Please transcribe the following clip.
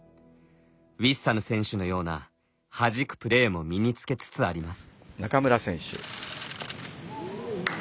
ウィッサヌ選手のようなはじくプレーも身につけつつあります。